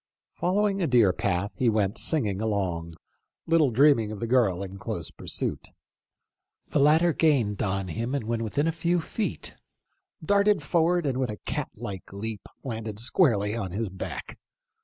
Following a deer path, he went singing along, little dreaming of the girl in close pursuit. The latter gained on him, and when within a few feet, darted forward and with a cat like leap landed squarely on his back.